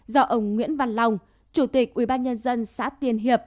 do ông nguyễn văn long chủ tịch ubnd xã tiền hiệp